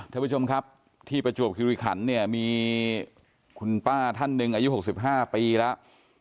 ท่านผู้ชมครับที่ประจวบคิริขันเนี่ยมีคุณป้าท่านหนึ่งอายุ๖๕ปีแล้ว